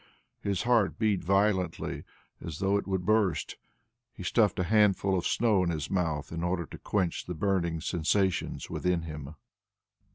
His heart beat violently as though it would burst; he stuffed a handful of snow in his mouth in order to quench the burning sensations within him.